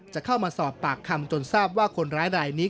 จะเข้ามาสอบปากคำจนทราบว่าคนร้ายรายนี้